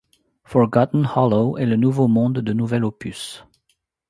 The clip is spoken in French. Forgotten Hollow est le nouveau monde de nouvel opus.